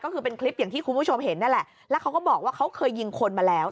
ก็คือเป็นคลิปอย่างที่คุณผู้ชมเห็นนั่นแหละแล้วเขาก็บอกว่าเขาเคยยิงคนมาแล้ว